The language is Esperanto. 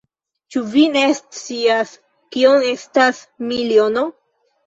Ĉu vi ne scias, kiom estas miliono?